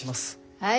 はい。